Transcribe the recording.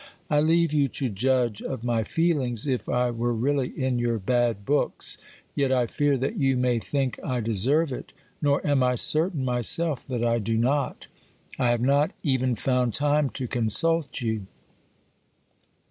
I leave you to judge of my feelings if I were really in your bad books ; yet I fear that you may think I deserve it, nor am I certain myself that I do not. I have not even found time to consult you.